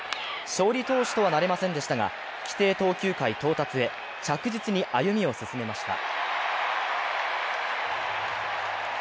勝利投手とはなれませんでしたが、規定投球回到達へ着実に歩みを進めました。